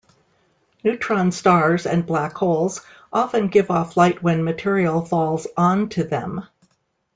Neutron stars and black holes often give off light when material falls onto them.